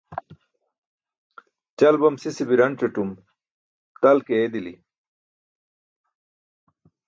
Ćal bam sise biranc̣atum tal ke eedili.